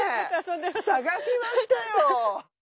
捜しましたよ。